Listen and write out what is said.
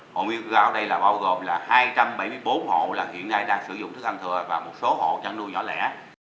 hộ nguy cơ cao ở đây bao gồm là hai trăm bảy mươi bốn hộ hiện nay đang sử dụng thức ăn thừa và một số hộ chăn nuôi nhỏ lẻ